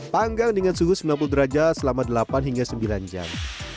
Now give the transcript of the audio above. panggang dengan suhu sembilan puluh derajat selama delapan hingga sembilan jam